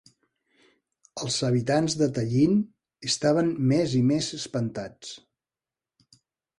Els habitants de Tallinn estaven més i més espantats.